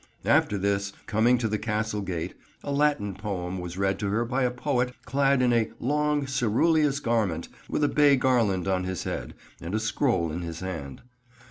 After this, coming to the Castle gate, a Latin poem was read to her by a poet clad in a "long ceruleous Garment, with a Bay Garland on his head, and a skrol in his hand.